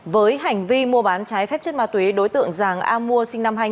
với hành vi mua bán trái phép chất ma túy đối tượng giàng amua sinh năm hai nghìn